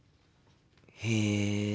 へえ。